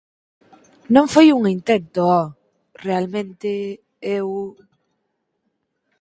Non foi un intento, ho! Realmente, eu…